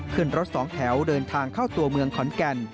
ขึ้นรถสองแถวเดินทางเข้าตัวเมืองขอนแก่น